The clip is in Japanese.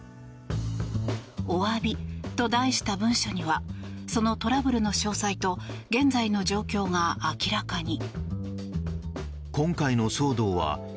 「お詫び」と題した文書にはそのトラブルの詳細と現在の状況が明らかに。